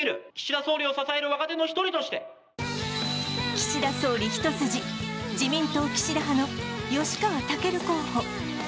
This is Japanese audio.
岸田総理一筋自民党岸田派の吉川赳候補。